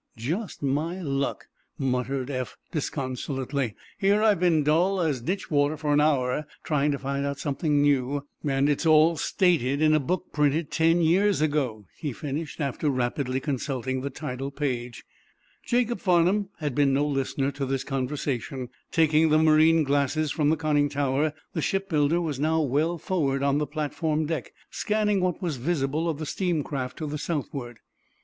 "Just my luck," muttered Eph, disconsolately. "Here I've been dull as ditch water for an hour, trying to find out something new, and it's all stated in a book printed—ten years ago," he finished, after rapidly consulting the title page. Jacob Farnum had been no listener to this conversation. Taking the marine glasses from the conning tower, the shipbuilder was now well forward on the platform deck, scanning what was visible of the steam craft to the southward.